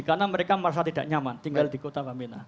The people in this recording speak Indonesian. karena mereka merasa tidak nyaman tinggal di kota bambina